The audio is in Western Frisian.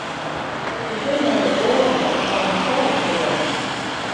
Ik bin nei de oarloch foar mysels begûn.